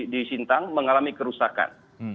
di sintang mengalami kerusakan